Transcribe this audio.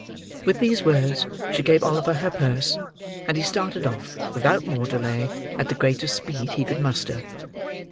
With these words, she gave Oliver her purse, and he started off, without more delay, at the greatest speed he could muster.